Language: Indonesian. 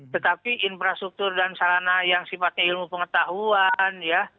tetapi infrastruktur dan sarana yang sifatnya ilmu pengetahuan ya